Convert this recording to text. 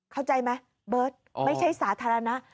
เข้าใจไหมเบิร์ตไม่ใช่สาธารณะ